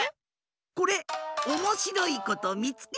これおもしろいことみつけ